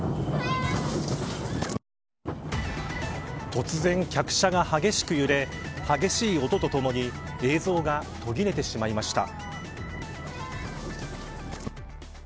突然、客車が激しく揺れ激しい音と共に映像が途切れてしまいました。